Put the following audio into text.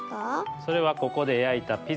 それはここでやいたピザです。